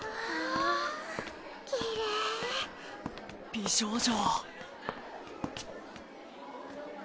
美少女。